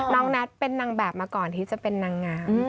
นัทเป็นนางแบบมาก่อนที่จะเป็นนางงาม